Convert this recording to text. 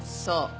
そう。